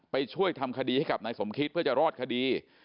ไปช่วยทำคดีให้กับนายสมคิตเพื่อจะรอดคดี